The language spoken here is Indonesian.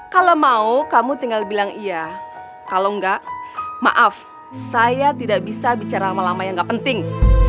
kalau mau kamu tinggal bilang iya kalau enggak maaf saya tidak bisa bicara lama lama yang gak penting